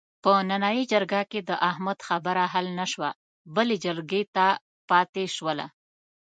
په نننۍ جرګه کې د احمد خبره حل نشوه، بلې جرګې ته پاتې شوله.